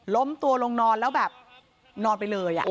ล้มตัวลงนอนแล้วแบบนอนไปเลย